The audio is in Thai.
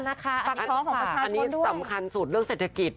อันนี้สำคัญสุดเรื่องเศรษฐกิจ